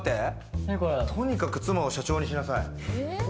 とにかく妻を社長にしなさい。